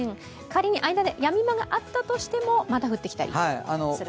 仮に間でやみ間があったとしても、また降ってきたりするわけですね。